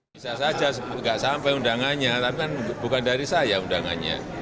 bisa saja nggak sampai undangannya tapi kan bukan dari saya undangannya